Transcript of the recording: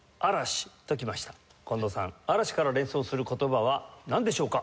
近藤さん「嵐」から連想する言葉はなんでしょうか？